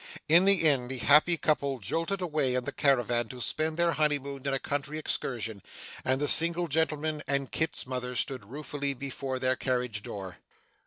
In the end, the happy couple jolted away in the caravan to spend their honeymoon in a country excursion; and the single gentleman and Kit's mother stood ruefully before their carriage door.